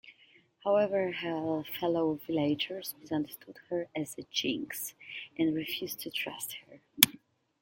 However, her fellow villagers misunderstood her as a jinx and refused to trust her.